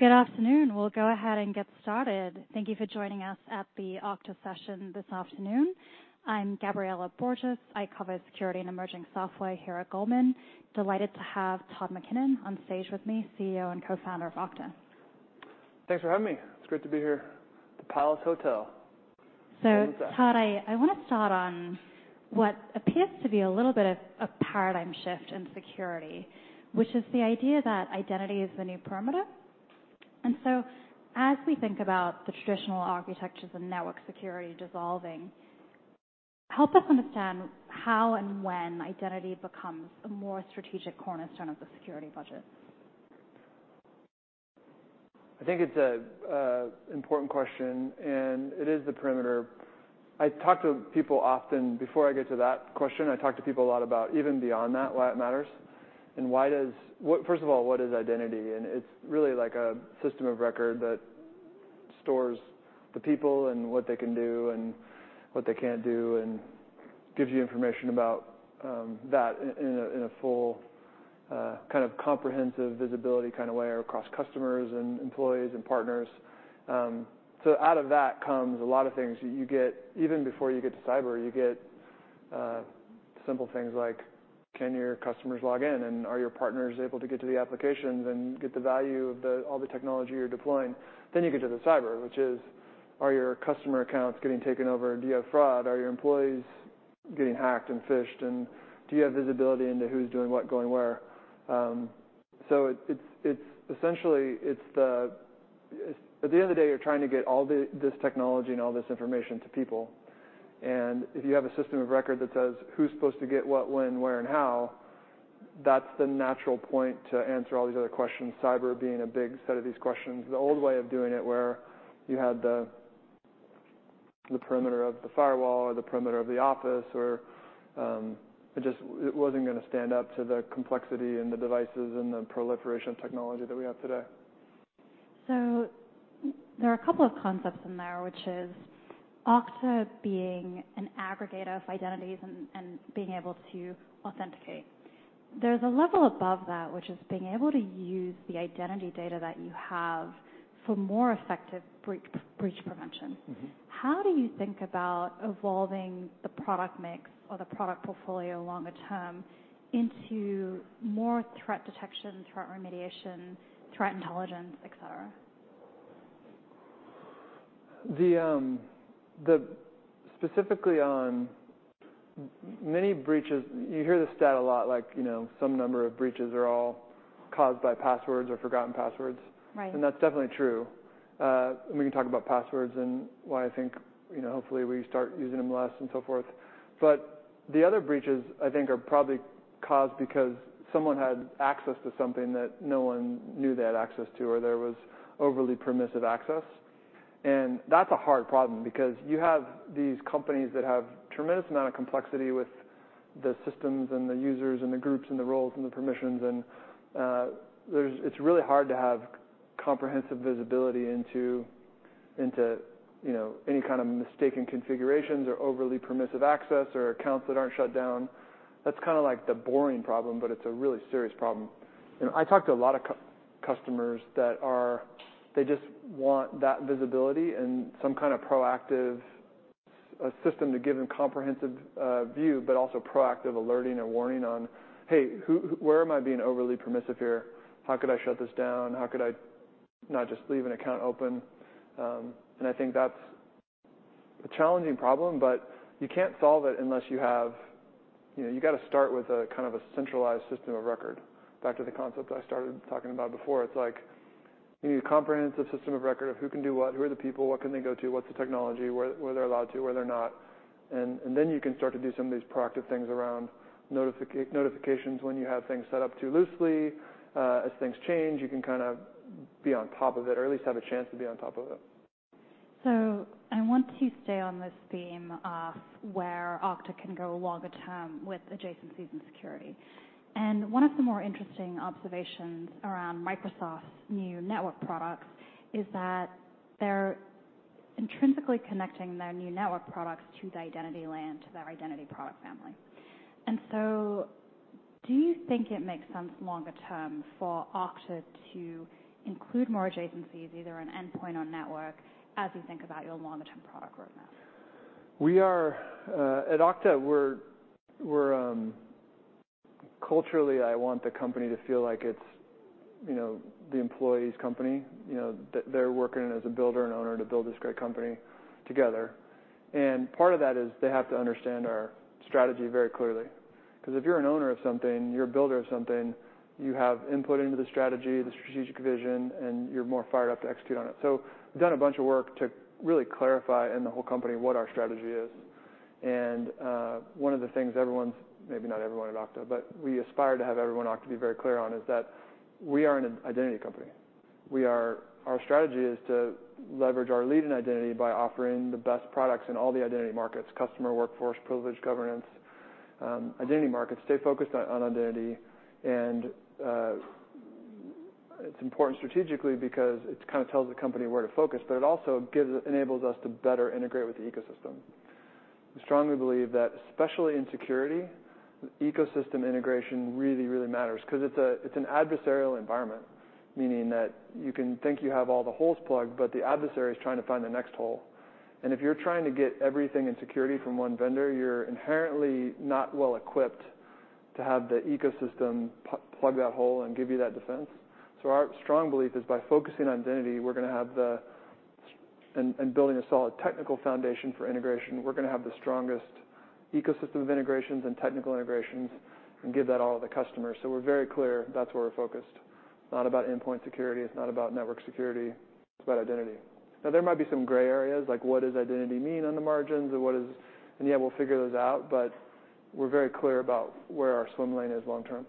Good afternoon. We'll go ahead and get started. Thank you for joining us at the Okta session this afternoon. I'm Gabriela Borges. I cover security and emerging software here at Goldman. Delighted to have Todd McKinnon on stage with me, CEO and co-founder of Okta. Thanks for having me. It's great to be here, the Palace Hotel. So, Todd, I want to start on what appears to be a little bit of paradigm shift in security, which is the idea that identity is the new perimeter. And so as we think about the traditional architectures and network security dissolving, help us understand how and when identity becomes a more strategic cornerstone of the security budget. I think it's an important question, and it is the perimeter. I talk to people often. Before I get to that question, I talk to people a lot about even beyond that, why it matters and what. First of all, what is identity? And it's really like a system of record that stores the people and what they can do and what they can't do and gives you information about that in a full kind of comprehensive visibility kind of way across customers and employees and partners. So out of that comes a lot of things. You get, even before you get to cyber, you get simple things like, can your customers log in, and are your partners able to get to the applications and get the value of all the technology you're deploying? Then you get to the cyber, which is: Are your customer accounts getting taken over? Do you have fraud? Are your employees getting hacked and phished, and do you have visibility into who's doing what, going where? So it's essentially the... At the end of the day, you're trying to get all this technology and all this information to people, and if you have a system of record that says who's supposed to get what, when, where, and how, that's the natural point to answer all these other questions, cyber being a big set of these questions. The old way of doing it, where you had the perimeter of the firewall or the perimeter of the office or, it just wasn't going to stand up to the complexity and the devices and the proliferation of technology that we have today. So there are a couple of concepts in there, which is Okta being an aggregator of identities and, and being able to authenticate. There's a level above that, which is being able to use the identity data that you have for more effective breach, breach prevention. Mm-hmm. How do you think about evolving the product mix or the product portfolio longer term into more threat detection, threat remediation, threat intelligence, et cetera? The specifically on many breaches, you hear this stat a lot, like, you know, some number of breaches are all caused by passwords or forgotten passwords. Right. That's definitely true. We can talk about passwords and why I think, you know, hopefully, we start using them less and so forth. But the other breaches, I think, are probably caused because someone had access to something that no one knew they had access to, or there was overly permissive access. That's a hard problem because you have these companies that have tremendous amount of complexity with the systems and the users and the groups and the roles and the permissions, and, there's... It's really hard to have comprehensive visibility into, you know, any kind of mistaken configurations or overly permissive access or accounts that aren't shut down. That's kind of like the boring problem, but it's a really serious problem. You know, I talk to a lot of customers that are they just want that visibility and some kind of proactive system to give them comprehensive view, but also proactive alerting or warning on, "Hey, who... Where am I being overly permissive here? How could I shut this down? How could I not just leave an account open?" I think that's a challenging problem, but you can't solve it unless you have... You know, you gotta start with a kind of a centralized system of record. Back to the concept I started talking about before, it's like you need a comprehensive system of record of who can do what, who are the people, what can they go to, what's the technology, where they're allowed to, where they're not. Then you can start to do some of these proactive things around notifications. When you have things set up too loosely, as things change, you can kind of be on top of it or at least have a chance to be on top of it. I want to stay on this theme of where Okta can go longer term with adjacencies and security. One of the more interesting observations around Microsoft's new network products is that they're intrinsically connecting their new network products to the identity land, to their identity product family. So do you think it makes sense longer term for Okta to include more adjacencies, either on endpoint or network, as you think about your longer-term product roadmap? At Okta, we're culturally, I want the company to feel like it's, you know, the employees' company. You know, they're working as a builder and owner to build this great company together. And part of that is they have to understand our strategy very clearly, 'cause if you're an owner of something, you're a builder of something, you have input into the strategy, the strategic vision, and you're more fired up to execute on it. So we've done a bunch of work to really clarify in the whole company what our strategy is. And one of the things everyone's, maybe not everyone at Okta, but we aspire to have everyone at Okta be very clear on, is that we are an identity company. Our strategy is to leverage our lead in identity by offering the best products in all the identity markets: Customer, Workforce, Privilege, Governance, identity markets. Stay focused on identity, and it's important strategically because it kind of tells the company where to focus, but it also gives, enables us to better integrate with the ecosystem.... We strongly believe that, especially in security, ecosystem integration really, really matters because it's an adversarial environment, meaning that you can think you have all the holes plugged, but the adversary is trying to find the next hole. And if you're trying to get everything in security from one vendor, you're inherently not well equipped to have the ecosystem plug that hole and give you that defense. So our strong belief is by focusing on identity and building a solid technical foundation for integration, we're going to have the strongest ecosystem of integrations and technical integrations and give that all to the customer. So we're very clear that's where we're focused. Not about endpoint security, it's not about network security, it's about identity. Now, there might be some gray areas, like what does identity mean on the margins and what is... And, yeah, we'll figure those out, but we're very clear about where our swim lane is long term.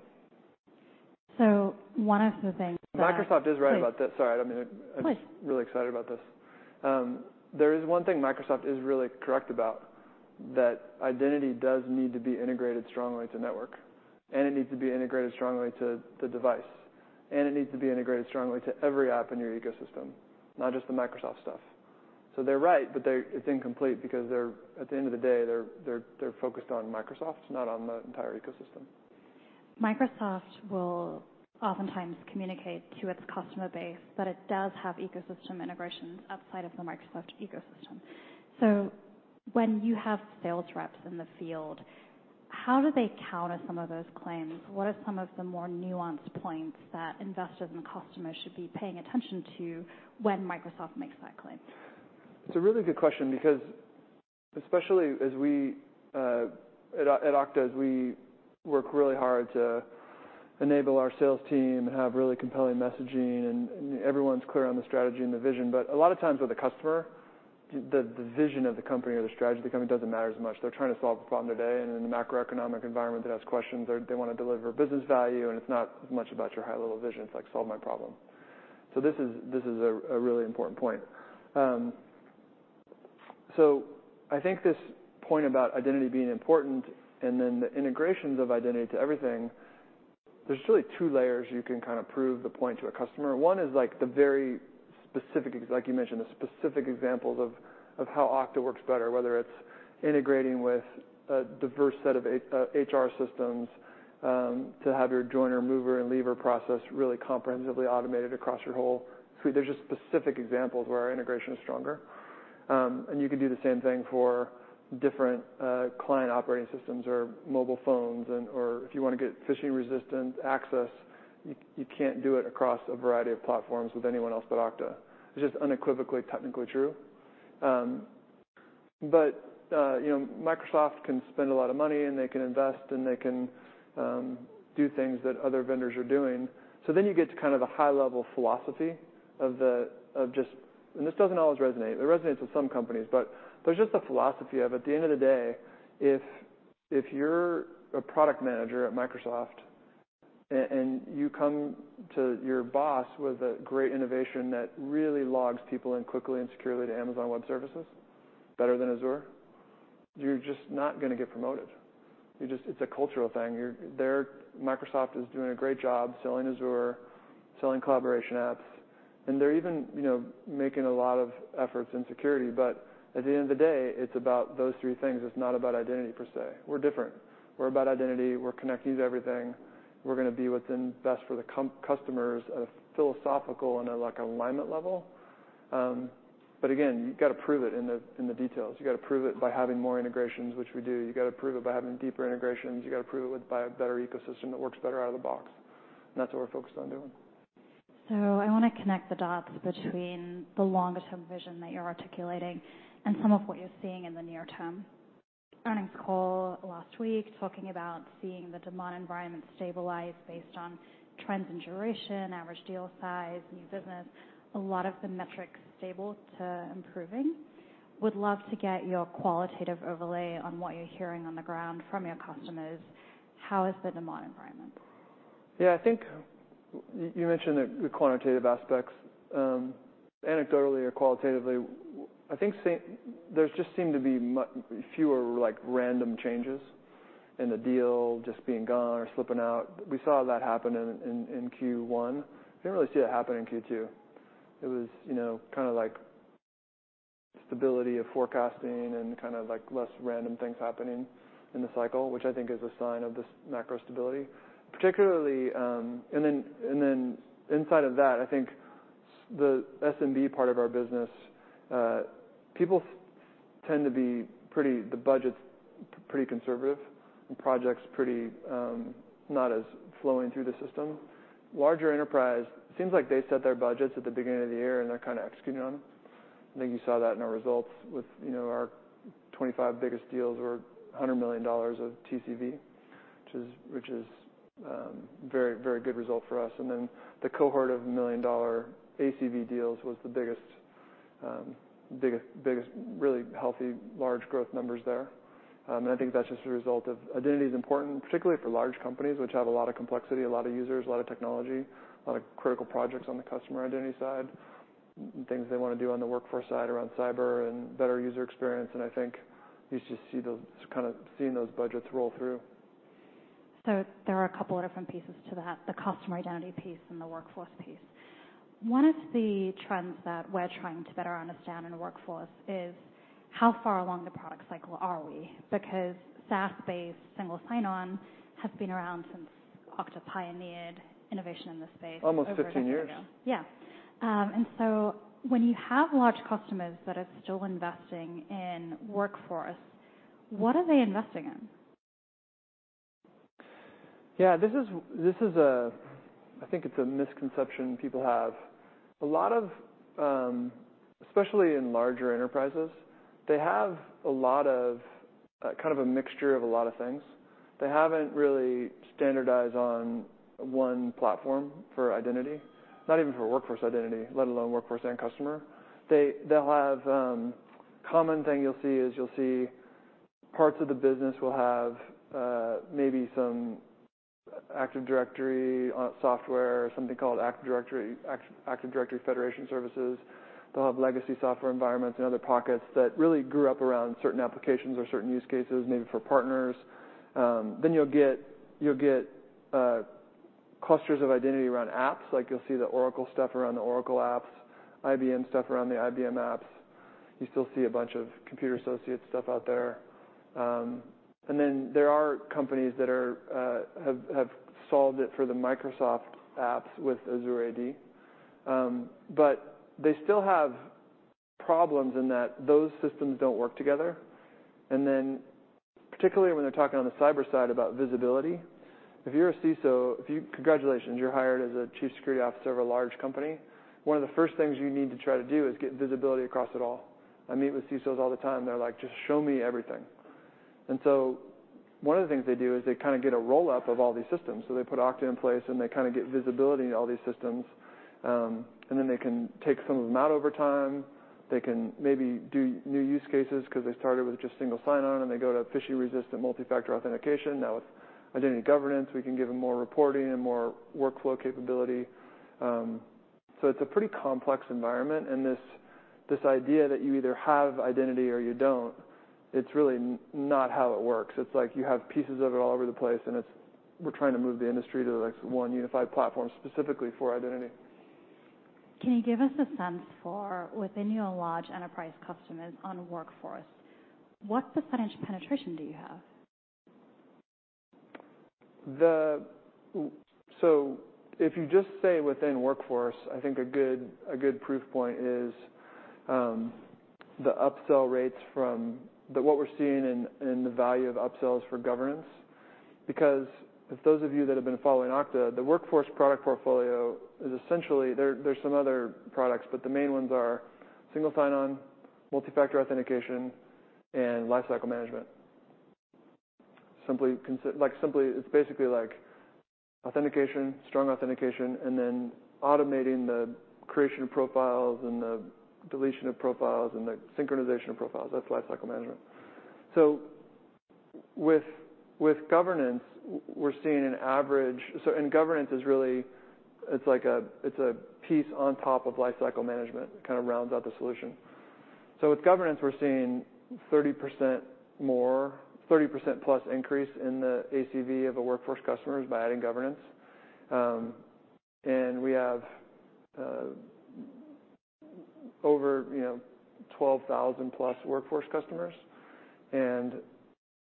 So one of the things that Microsoft is right about this. Sorry, I mean- Please. I'm just really excited about this. There is one thing Microsoft is really correct about, that identity does need to be integrated strongly to network, and it needs to be integrated strongly to the device, and it needs to be integrated strongly to every app in your ecosystem, not just the Microsoft stuff. So they're right, but it's incomplete because they're, at the end of the day, they're focused on Microsoft, not on the entire ecosystem. Microsoft will oftentimes communicate to its customer base that it does have ecosystem integrations outside of the Microsoft ecosystem. So when you have sales reps in the field, how do they counter some of those claims? What are some of the more nuanced points that investors and customers should be paying attention to when Microsoft makes that claim? It's a really good question because especially as we at Okta, as we work really hard to enable our sales team and have really compelling messaging, and everyone's clear on the strategy and the vision. But a lot of times with the customer, the vision of the company or the strategy of the company doesn't matter as much. They're trying to solve a problem today, and in the macroeconomic environment that has questions, they want to deliver business value, and it's not as much about your high-level vision. It's like, solve my problem. So this is a really important point. So I think this point about identity being important and then the integrations of identity to everything, there's really two layers you can kind of prove the point to a customer. One is, like, the very specific, like you mentioned, the specific examples of how Okta works better, whether it's integrating with a diverse set of HR systems to have your joiner, mover, and leaver process really comprehensively automated across your whole suite. There's just specific examples where our integration is stronger, and you can do the same thing for different client operating systems or mobile phones or if you want to get phishing-resistant access, you can't do it across a variety of platforms with anyone else but Okta. It's just unequivocally, technically true. But you know, Microsoft can spend a lot of money, and they can invest, and they can do things that other vendors are doing. So then you get to kind of a high-level philosophy of just and this doesn't always resonate. It resonates with some companies, but there's just a philosophy of, at the end of the day, if you're a product manager at Microsoft and you come to your boss with a great innovation that really logs people in quickly and securely to Amazon Web Services better than Azure, you're just not going to get promoted. You're just. It's a cultural thing. You're. They're. Microsoft is doing a great job selling Azure, selling collaboration apps, and they're even, you know, making a lot of efforts in security. But at the end of the day, it's about those three things. It's not about identity per se. We're different. We're about identity. We're connecting to everything. We're going to be what's best for the customers at a philosophical and, like, an alignment level. But again, you've got to prove it in the details. You've got to prove it by having more integrations, which we do. You've got to prove it by having deeper integrations. You've got to prove it by a better ecosystem that works better out of the box, and that's what we're focused on doing. So, I want to connect the dots between the longer-term vision that you're articulating and some of what you're seeing in the near term. Earnings call last week, talking about seeing the demand environment stabilize based on trends in duration, average deal size, new business, a lot of the metrics stable to improving. Would love to get your qualitative overlay on what you're hearing on the ground from your customers. How is the demand environment? Yeah, I think you mentioned the quantitative aspects. Anecdotally or qualitatively, I think there just seem to be fewer, like, random changes in the deal just being gone or slipping out. We saw that happen in Q1. We didn't really see that happen in Q2. It was, you know, kind of like stability of forecasting and kind of, like, less random things happening in the cycle, which I think is a sign of this macro stability. Particularly, and then inside of that, I think the SMB part of our business, the budget's pretty conservative and projects pretty not as flowing through the system. Larger enterprise, seems like they set their budgets at the beginning of the year, and they're kind of executing on them. I think you saw that in our results with, you know, our 25 biggest deals were $100 million of TCV, which is very, very good result for us. And then the cohort of $1 million ACV deals was the biggest, really healthy, large growth numbers there. And I think that's just a result of identity is important, particularly for large companies, which have a lot of complexity, a lot of users, a lot of technology, a lot of critical projects on the customer identity side, things they want to do on the workforce side around cyber and better user experience, and I think you just see those, kind of seeing those budgets roll through.... So there are a couple of different pieces to that, the customer identity piece and the workforce piece. One of the trends that we're trying to better understand in the workforce is how far along the product cycle are we? Because SaaS-based Single Sign-On has been around since Okta pioneered innovation in this space- Almost 15 years. Yeah. And so when you have large customers that are still investing in Workforce, what are they investing in? Yeah, this is a—I think it's a misconception people have. A lot of, especially in larger enterprises, they have a lot of, kind of a mixture of a lot of things. They haven't really standardized on one platform for identity, not even for workforce identity, let alone workforce and customer. They, they'll have, common thing you'll see is you'll see parts of the business will have, maybe some Active Directory on software, something called Active Directory, Active Directory Federation Services. They'll have legacy software environments in other pockets that really grew up around certain applications or certain use cases, maybe for partners. Then you'll get, you'll get, clusters of identity around apps, like you'll see the Oracle stuff around the Oracle apps, IBM stuff around the IBM apps. You still see a bunch of Computer Associates stuff out there. And then there are companies that have solved it for the Microsoft apps with Azure AD. But they still have problems in that those systems don't work together, and then particularly when they're talking on the cyber side about visibility, if you're a CISO, congratulations, you're hired as a chief information security officer of a large company, one of the first things you need to try to do is get visibility across it all. I meet with CISOs all the time, they're like: "Just show me everything." And so one of the things they do is they kind of get a roll-up of all these systems. So they put Okta in place, and they kind of get visibility in all these systems. And then they can take some of them out over time. They can maybe do new use cases 'cause they started with just single sign-on, and they go to phishing-resistant multi-factor authentication. Now, with identity governance, we can give them more reporting and more workflow capability. So it's a pretty complex environment, and this, this idea that you either have identity or you don't, it's really not how it works. It's like you have pieces of it all over the place, and it's, we're trying to move the industry to the next one unified platform, specifically for identity. Can you give us a sense for within your large enterprise customers on Workforce, what percentage of penetration do you have? So if you just say within Workforce, I think a good, a good proof point is, the upsell rates from the -- what we're seeing in, in the value of upsells for governance, because for those of you that have been following Okta, the Workforce product portfolio is essentially... There, there's some other products, but the main ones are Single Sign-On, Multi-Factor Authentication, and Lifecycle Management. Like, simply, it's basically like authentication, strong authentication, and then automating the creation of profiles and the deletion of profiles and the synchronization of profiles. That's lifecycle management. So with, with governance, we're seeing an average... So and governance is really, it's like a, it's a piece on top of lifecycle management, kind of rounds out the solution. So with governance, we're seeing 30% more, 30% plus increase in the ACV of a Workforce customers by adding governance. And we have over, you know, 12,000 plus Workforce customers and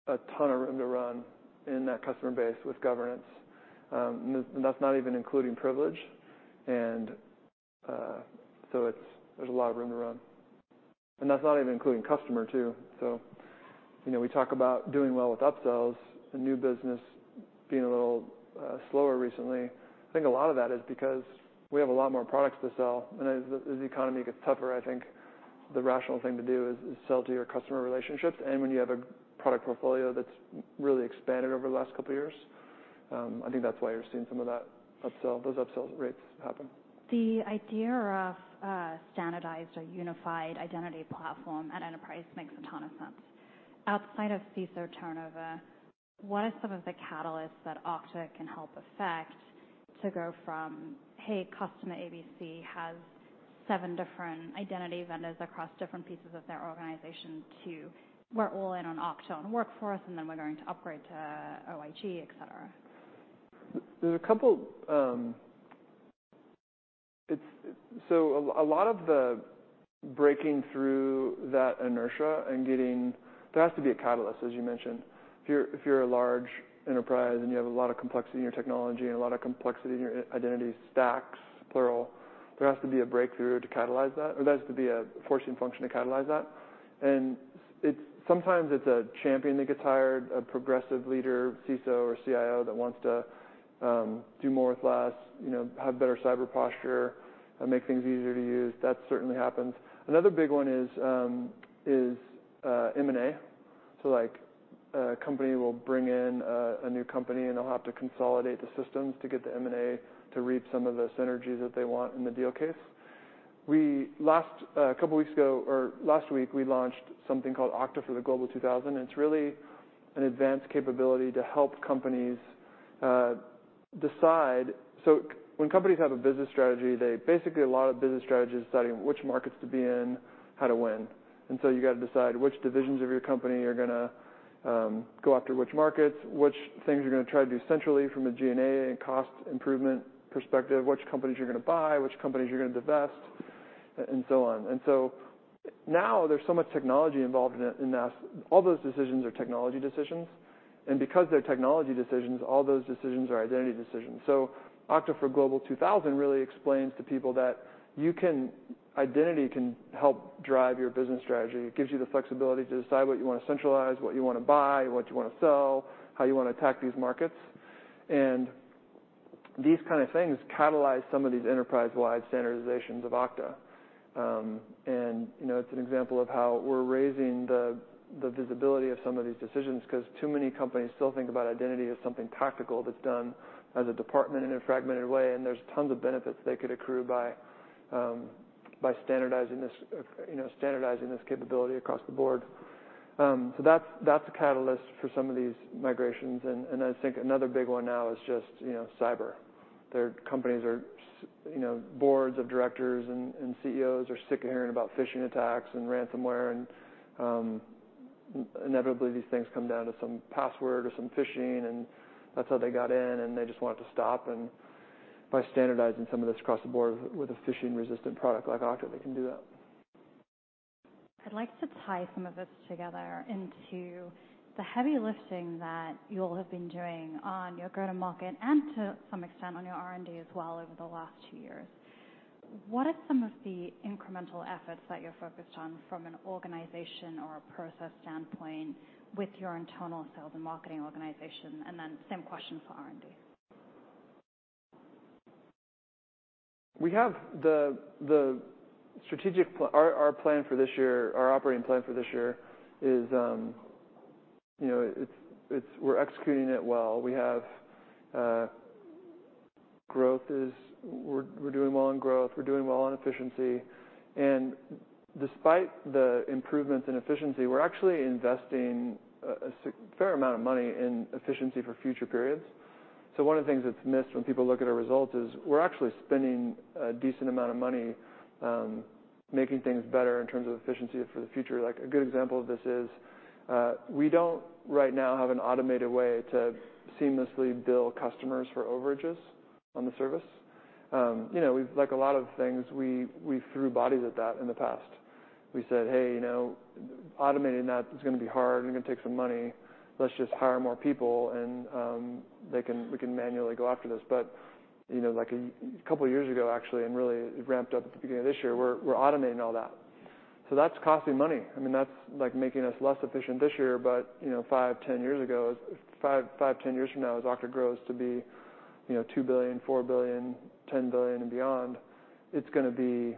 a ton of room to run in that customer base with governance. And that's not even including privilege, and so it's. There's a lot of room to run. And that's not even including Customer, too. So, you know, we talk about doing well with upsells and new business being a little slower recently. I think a lot of that is because we have a lot more products to sell, and as the economy gets tougher, I think the rational thing to do is sell to your customer relationships. And when you have a product portfolio that's really expanded over the last couple of years, I think that's why you're seeing some of that upsell, those upsell rates happen. The idea of a standardized or unified identity platform at enterprise makes a ton of sense. Outside of CISO turnover, what are some of the catalysts that Okta can help affect to go from, "Hey, customer ABC has seven different identity vendors across different pieces of their organization," to "We're all in on Okta on Workforce, and then we're going to upgrade to OIG," et cetera? There are a couple. So a lot of the breaking through that inertia and getting... There has to be a catalyst, as you mentioned. If you're a large enterprise, and you have a lot of complexity in your technology and a lot of complexity in your identity stacks, plural, there has to be a breakthrough to catalyze that, or there has to be a forcing function to catalyze that. And sometimes it's a champion that gets hired, a progressive leader, CISO or CIO, that wants to do more with less, you know, have better cyber posture and make things easier to use. That certainly happens. Another big one is M&A. So, like, a company will bring in a new company, and they'll have to consolidate the systems to get the M&A to reap some of the synergies that they want in the deal case. Last a couple weeks ago, or last week, we launched something called Okta for the Global 2000, and it's really an advanced capability to help companies decide, so when companies have a business strategy, they basically, a lot of business strategy is deciding which markets to be in, how to win. And so you got to decide which divisions of your company are going to go after which markets, which things you're going to try to do centrally from a G&A and cost improvement perspective, which companies you're going to buy, which companies you're going to divest, and so on. And so now there's so much technology involved in it, in that all those decisions are technology decisions, and because they're technology decisions, all those decisions are identity decisions. So Okta for Global 2000 really explains to people that you can, identity can help drive your business strategy. It gives you the flexibility to decide what you want to centralize, what you want to buy, what you want to sell, how you want to attack these markets. And these kind of things catalyze some of these enterprise-wide standardizations of Okta. And, you know, it's an example of how we're raising the visibility of some of these decisions, 'cause too many companies still think about identity as something tactical that's done as a department in a fragmented way, and there's tons of benefits they could accrue by standardizing this, you know, standardizing this capability across the board. So that's a catalyst for some of these migrations. And I think another big one now is just, you know, cyber. There, companies are, you know, boards of directors and CEOs are sick of hearing about phishing attacks and ransomware, and inevitably, these things come down to some password or some phishing, and that's how they got in, and they just want it to stop. And by standardizing some of this across the board with a phishing-resistant product like Okta, they can do that. I'd like to tie some of this together into the heavy lifting that you all have been doing on your go-to-market and to some extent, on your R&D as well over the last two years. What are some of the incremental efforts that you're focused on from an organization or a process standpoint with your internal sales and marketing organization? And then, same question for R&D? We have the strategic plan for this year, our operating plan for this year is, you know, it's we're executing it well. We have growth. We're doing well in growth, we're doing well on efficiency. And despite the improvements in efficiency, we're actually investing a fair amount of money in efficiency for future periods. So one of the things that's missed when people look at our results is we're actually spending a decent amount of money making things better in terms of efficiency for the future. Like, a good example of this is, we don't right now have an automated way to seamlessly bill customers for overages on the service. You know, like a lot of things, we threw bodies at that in the past. We said, "Hey, you know, automating that is going to be hard. It's going to take some money. Let's just hire more people, and we can manually go after this." But, you know, like a couple of years ago, actually, and really it ramped up at the beginning of this year, we're automating all that. So that's costing money. I mean, that's like making us less efficient this year, but, you know, five-10 years ago, five-10 years from now, as Okta grows to be, you know, $2 billion, $4 billion, $10 billion, and beyond, it's going to be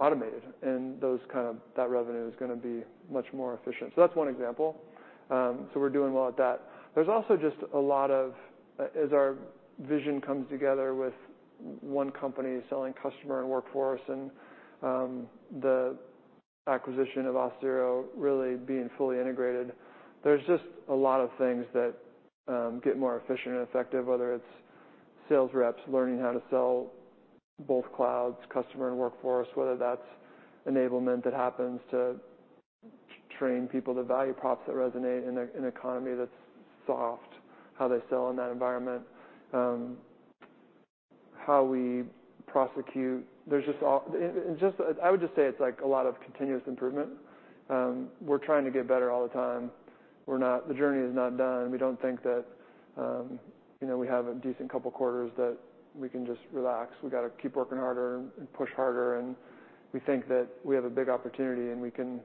automated, and those kind of- that revenue is going to be much more efficient. So that's one example. So we're doing well at that. There's also just a lot of... As our vision comes together with one company selling Customer and Workforce and, the acquisition of Auth0 really being fully integrated, there's just a lot of things that get more efficient and effective, whether it's sales reps learning how to sell both clouds, Customer, and Workforce, whether that's enablement that happens to train people, the value props that resonate in an economy that's soft, how they sell in that environment, how we prosecute. There's just all. And just, I would just say it's like a lot of continuous improvement. We're trying to get better all the time. We're not. The journey is not done. We don't think that, you know, we have a decent couple quarters, that we can just relax. We got to keep working harder and push harder, and we think that we have a big opportunity, and we can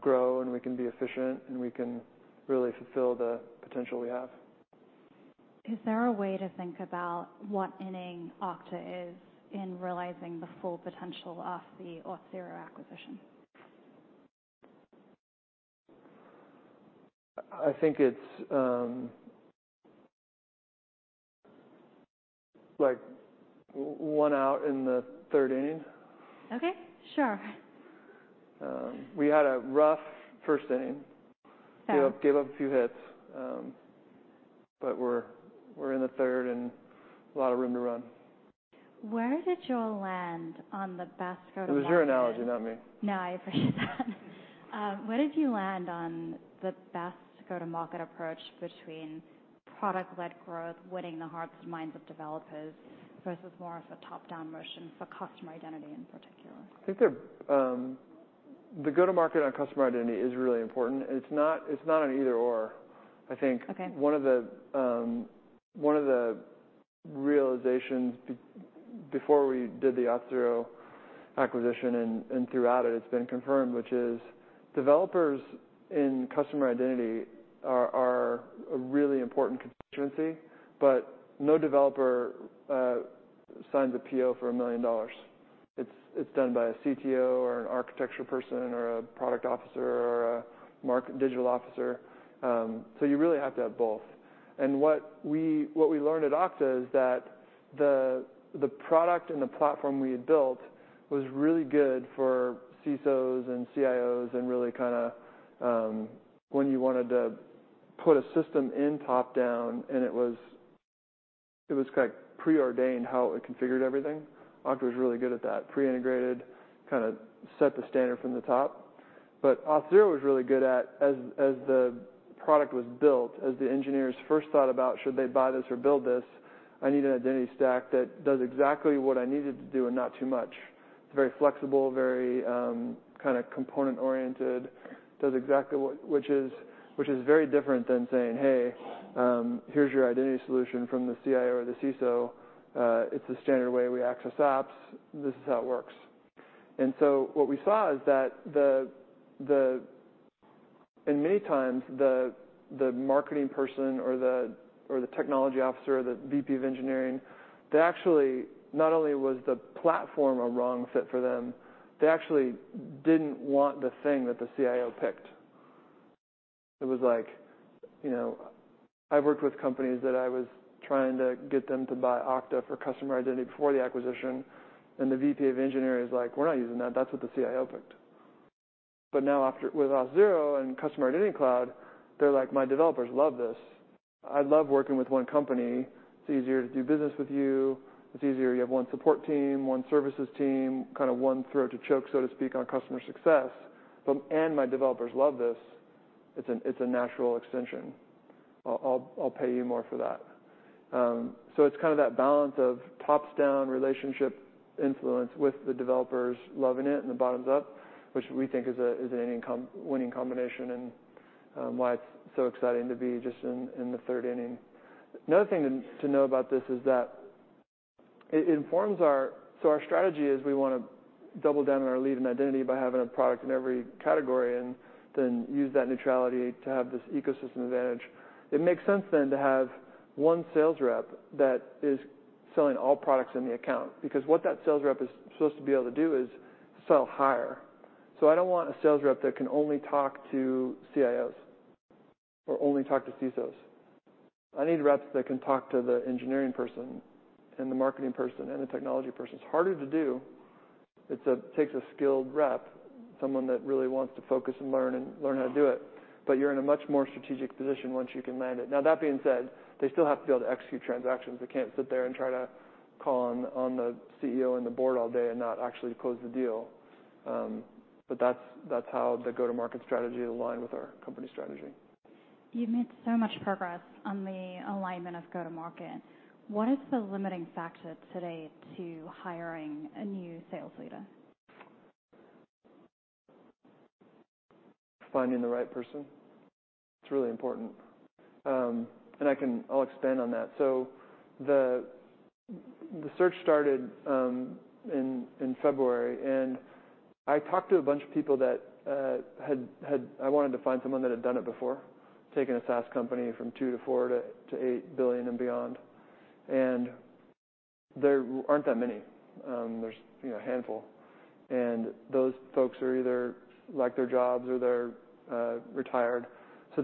grow and we can be efficient, and we can really fulfill the potential we have. Is there a way to think about what inning Okta is in realizing the full potential of the Auth0 acquisition? I think it's like one out in the third inning. Okay, sure. We had a rough first inning. Fair. Gave up a few hits, but we're in the third and a lot of room to run. Where did you all land on the best go-to- It was your analogy, not me. No, I appreciate that. Where did you land on the best go-to-market approach between product-led growth, winning the hearts and minds of developers, versus more of a top-down motion for customer identity, in particular? I think they're, the go-to-market on customer identity is really important, and it's not, it's not an either/or. Okay. I think one of the realizations before we did the Auth0 acquisition and throughout it, it's been confirmed, which is developers in customer identity are a really important constituency, but no developer signs a PO for $1 million. It's done by a CTO or an architecture person or a product officer or a market digital officer. So you really have to have both. And what we learned at Okta is that the product and the platform we had built was really good for CISOs and CIOs, and really kind of when you wanted to put a system in top-down, and it was kind of preordained how it configured everything. Okta was really good at that. Pre-integrated, kind of set the standard from the top. But Auth0 was really good at, as the product was built, as the engineers first thought about should they buy this or build this, I need an identity stack that does exactly what I need it to do and not too much. It's very flexible, very, kind of component-oriented, does exactly what, which is very different than saying, "Hey, here's your identity solution from the CIO or the CISO. It's the standard way we access apps. This is how it works." And so what we saw is that the and many times, the marketing person or the technology officer, or the VP of engineering, they actually not only was the platform a wrong fit for them, they actually didn't want the thing that the CIO picked. It was like, you know, I've worked with companies that I was trying to get them to buy Okta for customer identity before the acquisition, and the VP of engineering is like: "We're not using that, that's what the CIO picked." But now, after with Auth0 and Customer Identity Cloud, they're like, "My developers love this. I love working with one company. It's easier to do business with you. It's easier. You have one support team, one services team, kind of one throat to choke, so to speak, on customer success, but and my developers love this. It's a, it's a natural extension. I'll pay you more for that." So it's kind of that balance of top-down relationship influence with the developers loving it, and the bottom-up, which we think is a winning combination and why it's so exciting to be just in the third inning. Another thing to know about this is that it informs our... So our strategy is we want to double down on our lead in identity by having a product in every category, and then use that neutrality to have this ecosystem advantage. It makes sense, then, to have one sales rep that is selling all products in the account, because what that sales rep is supposed to be able to do is sell higher. So I don't want a sales rep that can only talk to CIOs or only talk to CISOs. I need reps that can talk to the engineering person and the marketing person and the technology person. It's harder to do. It takes a skilled rep, someone that really wants to focus and learn and learn how to do it, but you're in a much more strategic position once you can land it. Now, that being said, they still have to be able to execute transactions. They can't sit there and try to call on, on the CEO and the board all day and not actually close the deal. But that's how the go-to-market strategy is aligned with our company strategy. You've made so much progress on the alignment of go-to-market. What is the limiting factor today to hiring a new sales leader? Finding the right person. It's really important, and I can... I'll expand on that. So the search started in February, and I talked to a bunch of people that had—I wanted to find someone that had done it before, taken a SaaS company from 2 billion to 4 billion to 8 billion and beyond, and there aren't that many. There's, you know, a handful, and those folks are either in their jobs or they're retired. So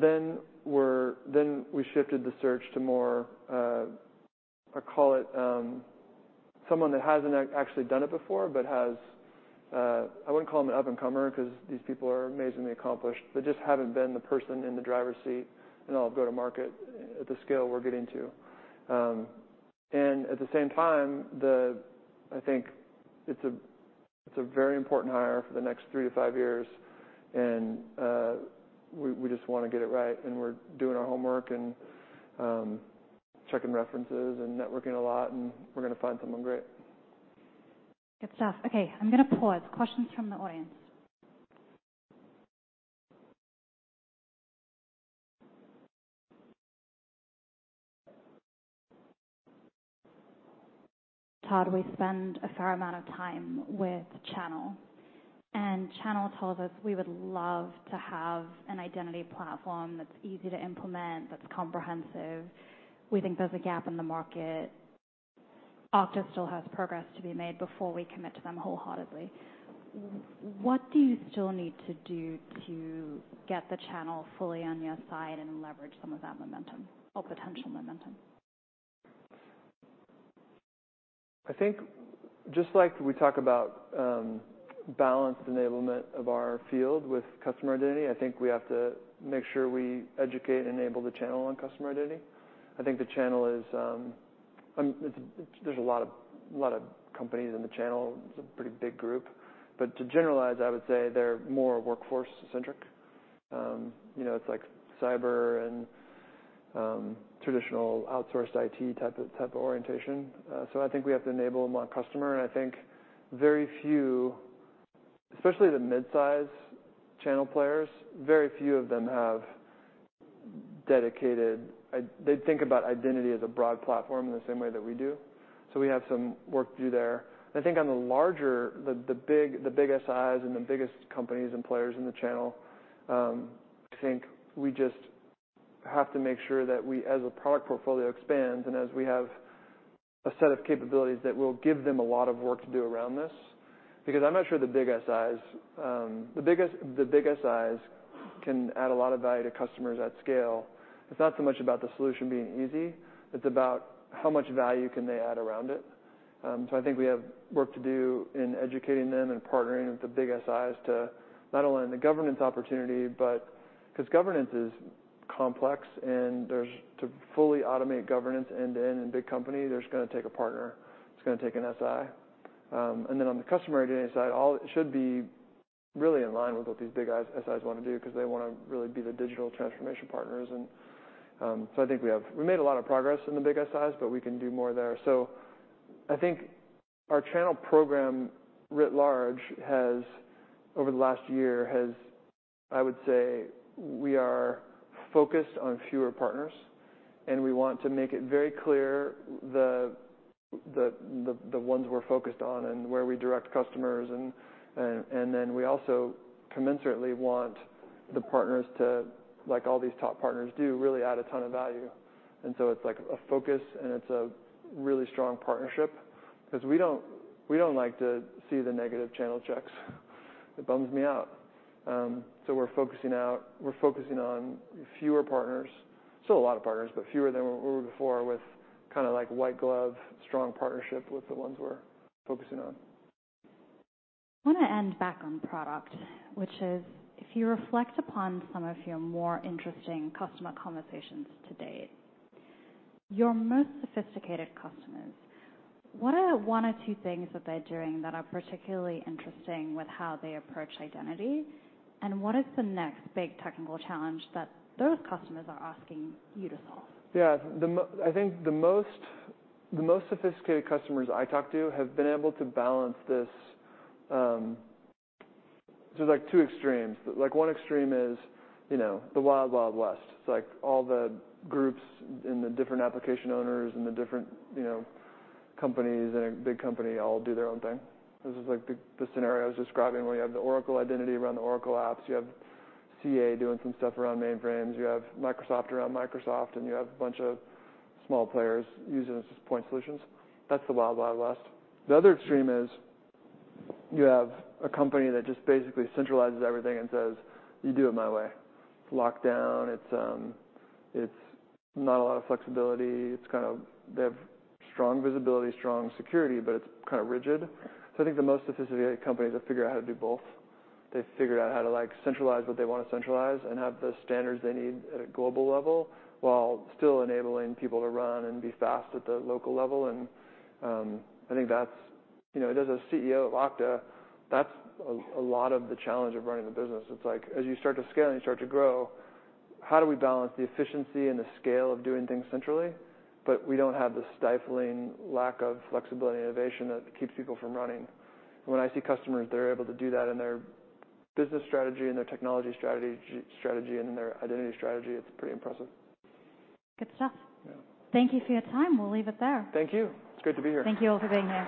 then we shifted the search to more, I call it, someone that hasn't actually done it before but has, I wouldn't call them an up-and-comer, 'cause these people are amazingly accomplished, but just haven't been the person in the driver's seat in all go-to-market at the scale we're getting to. And at the same time, I think it's a very important hire for the next three-five years, and we just want to get it right, and we're doing our homework and checking references and networking a lot, and we're going to find someone great. Good stuff. Okay, I'm going to pause. Questions from the audience. Todd, we spend a fair amount of time with channel, and channel tells us we would love to have an identity platform that's easy to implement, that's comprehensive. We think there's a gap in the market. Okta still has progress to be made before we commit to them wholeheartedly. What do you still need to do to get the channel fully on your side and leverage some of that momentum or potential momentum? I think just like we talk about balanced enablement of our field with customer identity, I think we have to make sure we educate and enable the channel on Customer Identity. I think the channel is. There's a lot of companies in the channel. It's a pretty big group. But to generalize, I would say they're more workforce-centric. You know, it's like cyber and traditional outsourced IT type of orientation. So I think we have to enable them on customer, and I think very few, especially the mid-size channel players, very few of them have dedicated id... They think about identity as a broad platform in the same way that we do, so we have some work to do there. I think on the larger, the big, the biggest size and the biggest companies and players in the channel, I think we just have to make sure that we, as the product portfolio expands and as we have a set of capabilities, that we'll give them a lot of work to do around this... because I'm not sure the big SIs, the big SIs can add a lot of value to customers at scale. It's not so much about the solution being easy, it's about how much value can they add around it. So I think we have work to do in educating them and partnering with the big SIs to not only on the governance opportunity, but 'cause governance is complex, and there's, to fully automate governance end-to-end in a big company, there's going to take a partner, it's going to take an SI. And then on the customer identity side, all should be really in line with what these big guys—SIs want to do, 'cause they want to really be the digital transformation partners and, so I think we have. We made a lot of progress in the big SIs, but we can do more there. So I think our channel program, writ large, has, over the last year, I would say, we are focused on fewer partners, and we want to make it very clear the ones we're focused on and where we direct customers, and then we also commensurately want the partners to, like all these top partners do, really add a ton of value. And so it's like a focus, and it's a really strong partnership 'cause we don't, we don't like to see the negative channel checks. It bums me out. So we're focusing on fewer partners, still a lot of partners, but fewer than we were before with kind of like white glove, strong partnership with the ones we're focusing on. I want to end back on product, which is, if you reflect upon some of your more interesting customer conversations to date, your most sophisticated customers, what are the one or two things that they're doing that are particularly interesting with how they approach identity? And what is the next big technical challenge that those customers are asking you to solve? Yeah. I think the most sophisticated customers I talk to have been able to balance this, so there's, like, two extremes. Like, one extreme is, you know, the Wild Wild West. It's like all the groups and the different application owners and the different, you know, companies in a big company all do their own thing. This is like the scenario I was describing, where you have the Oracle identity around the Oracle apps, you have CA doing some stuff around mainframes, you have Microsoft around Microsoft, and you have a bunch of small players using point solutions. That's the Wild Wild West. The other extreme is, you have a company that just basically centralizes everything and says, "You do it my way." It's locked down, it's not a lot of flexibility. It's kind of they have strong visibility, strong security, but it's kind of rigid. So I think the most sophisticated companies have figured out how to do both. They've figured out how to, like, centralize what they want to centralize and have the standards they need at a global level, while still enabling people to run and be fast at the local level, and I think that's, you know, as a CEO at Okta, that's a lot of the challenge of running the business. It's like, as you start to scale and you start to grow, how do we balance the efficiency and the scale of doing things centrally, but we don't have the stifling lack of flexibility and innovation that keeps people from running? When I see customers, they're able to do that in their business strategy and their technology strategy and in their identity strategy, it's pretty impressive. Good stuff. Yeah. Thank you for your time. We'll leave it there. Thank you. It's good to be here. Thank you all for being here.